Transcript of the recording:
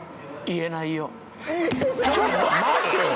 言えないよ